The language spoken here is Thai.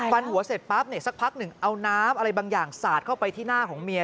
ฟันหัวเสร็จปั๊บเนี่ยสักพักหนึ่งเอาน้ำอะไรบางอย่างสาดเข้าไปที่หน้าของเมีย